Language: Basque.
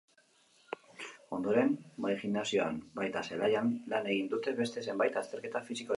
Ondoren, bai gimnasioan, baita zelaian lan egin dute beste zenbait azterketa-fisikorekin.